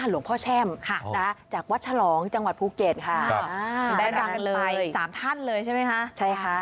ลพแชมจากวัดฉรองต์จังหวัดภูเกียรติใช่ไหมคะ